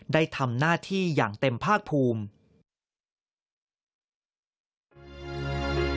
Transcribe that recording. ได้ทำหน้าที่อย่างเต็มภาคภูมิ